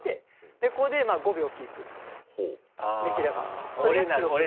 これで５秒キープできればそれが記録に。